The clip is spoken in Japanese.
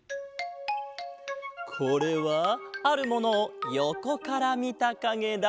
これはあるものをよこからみたかげだ。